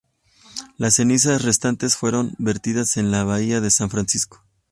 Las cenizas restantes fueron vertidas en la bahía de San Francisco.